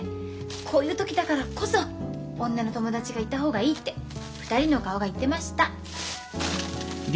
こういう時だからこそ女の友達がいた方がいいって２人の顔が言ってました。